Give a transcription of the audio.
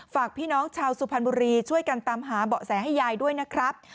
ฝากพี่น้องชาวสุพรรณบุรีช่วยกันตามหาเบาะแสให้ยายด้วยนะครับ